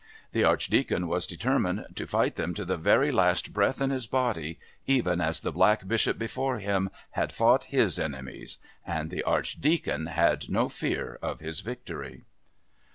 The Archdeacon was determined to fight them to the very last breath in his body, even as the Black Bishop before him had fought his enemies. And the Archdeacon had no fear of his victory.